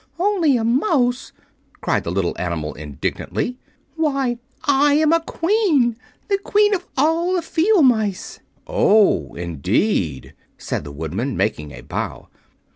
"Only a mouse!" cried the little animal, indignantly. "Why, I am a Queen—the Queen of all the Field Mice!" "Oh, indeed," said the Woodman, making a bow.